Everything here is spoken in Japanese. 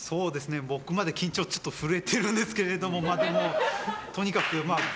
僕まで緊張でちょっと震えてるんですけどとにかく。